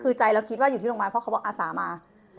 คือใจเราคิดว่าอยู่ที่โรงพยาบาลเพราะเขาบอกอาสามา